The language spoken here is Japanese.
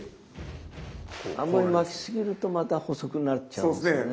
あんまり巻きすぎるとまた細くなっちゃうんです。